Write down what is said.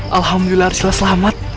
alhamdulillah arsila selamat